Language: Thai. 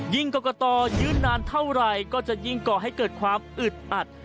กรกตยื่นนานเท่าไหร่ก็จะยิ่งก่อให้เกิดความอึดอัด